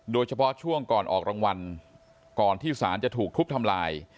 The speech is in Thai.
โดยเฉพาะช่วงก่อนออกรางวัลก่อนที่สารจะถูกทุบทำลาย